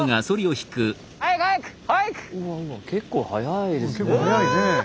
結構速いですねえ。